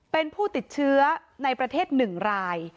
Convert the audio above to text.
เป็นผู้ติดเชื้อในประเทศ๑ราย